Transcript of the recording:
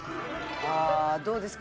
どうですか？